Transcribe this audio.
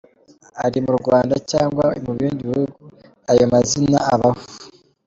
Ari mu Rwanda cyangwa mu bindi bihugu ayo mazina abaho.